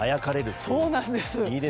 そうなんです。